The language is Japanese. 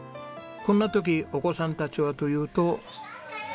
こんな時お子さんたちはというと。